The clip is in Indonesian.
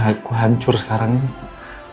aku hancur sekarang ini